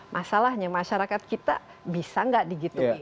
masalahnya masyarakat kita bisa tidak di gituin